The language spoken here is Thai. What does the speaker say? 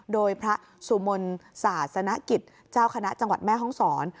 โดยพระสุมนศาสนกิจเจ้าคณะจังหวัดแม่ห้องศร